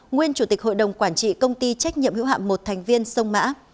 nguyên chủ tịch hội đồng quản trị công ty trách nhiệm hữu hạm một thành viên sông mã